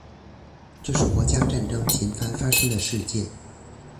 这是国家战争频繁发生的世界。